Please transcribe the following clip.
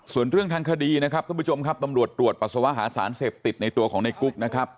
ส่วนเรื่องทางคดีนะครับท่านผู้ชมครับตำรวจตรวจปัสสาวะหาสารเสพติดในตัวของในกุ๊กนะครับ